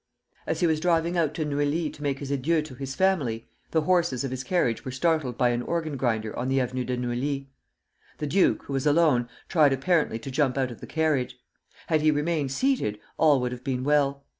As he was driving out to Neuilly to make his adieux to his family, the horses of his carriage were startled by an organ grinder on the Avenue de Neuilly. The duke, who was alone, tried apparently to jump out of the carriage. Had he remained seated, all would have been well.